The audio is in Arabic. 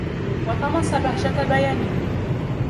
وَطَمَسَ بَهْجَةَ بَيَانِهِ